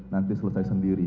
nanti selesai sendiri